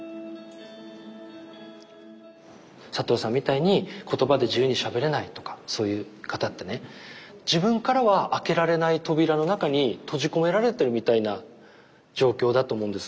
覚さんみたいに言葉で自由にしゃべれないとかそういう方ってね自分からは開けられない扉の中に閉じ込められてるみたいな状況だと思うんです。